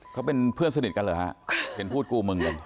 เขาเป็นเพื่อนสนิทกันเหรอฮะเห็นพูดกูมึงกัน